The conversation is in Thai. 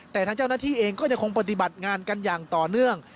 แต่ทางเจ้าหน้าที่เองก็ยังคงปฏิบัติงานกันอย่างต่อเนื่อง